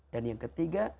dan yang ketiga